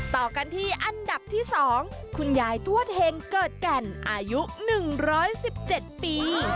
ต่อกันที่อันดับที่๒คุณยายทวดเห็งเกิดแก่นอายุ๑๑๗ปี